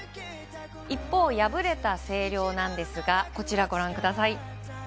一方敗れた星稜なんですが、ご覧ください。